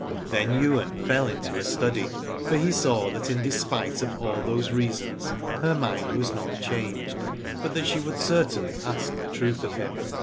Then Ywain fell into a study, for he saw that in despite of all those reasons her mind was not changed, but that she would certainly ask the truth of him.